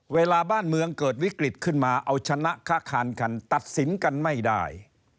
เวลาบ้านเมืองเกิดวิกฤตขึ้นมาเอาชนะค้าคานคันตัดสินกันไม่ได้